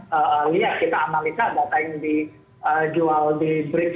kalau sudah sampai satu titik tidak disangkal baru nanti apa yang di jog nya lagi